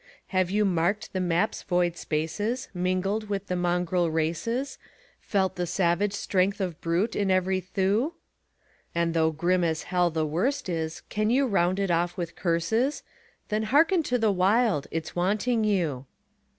Have you marked the map's void spaces, mingled with the mongrel races, Felt the savage strength of brute in every thew? And though grim as hell the worst is, can you round it off with curses? Then hearken to the Wild it's wanting you.